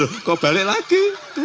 loh kok balik lagi